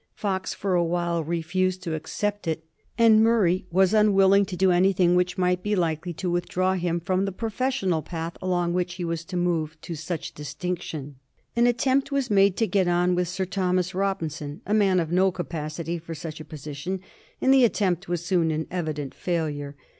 Fox for a while refused to accept it, and Murray was unwilling 1757. ADMIRAL BYNG. 297 to do anything which might be likely to withdraw him from the professional path along which he was to move to SQch distinction. An attempt was made to get on with a Sir Thomas Robinson, a man of no capacity for such a position, and the attempt was soon an evident failure.